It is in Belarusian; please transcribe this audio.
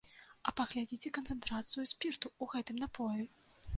А паглядзіце канцэнтрацыю спірту ў гэтым напоі!